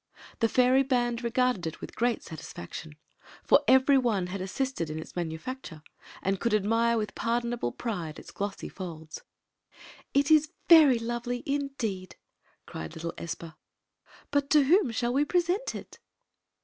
The fairy band regarded it with great satisfaction, for every one had assisted in its manufacture and Story of the Magic C loak n couM acbnire widi pardonaUe pri^ its g^ot^ kM^ •*It is very lovely, indeed!" cried little Espa. "But to whom shall we present it?"